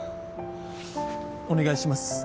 お願いします